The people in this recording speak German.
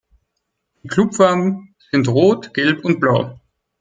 Die Klubfarben sind Rot, Gelb und Blau.